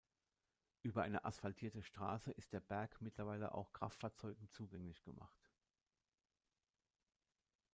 Über eine asphaltierte Straße ist der Berg mittlerweile auch Kraftfahrzeugen zugänglich gemacht.